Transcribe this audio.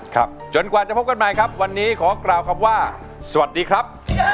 จนกว่าจะพบกันใหม่ครับวันนี้ขอกล่าวคำว่าสวัสดีครับ